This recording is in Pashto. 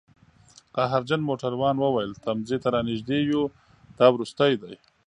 قهرجن موټروان وویل: تمځي ته رانژدي یوو، دا وروستی دی